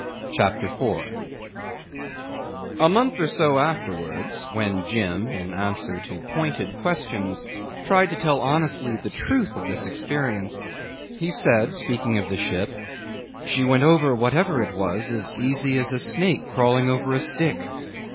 CHAPTER 4 A month or so afterwards, when Jim, in answer to pointed questions, tried to tell honestly the truth of this experience, he said, speaking of the ship: 'She went over whatever it was as easy as a snake crawling over a stick.